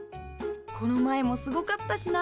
この前もすごかったしな。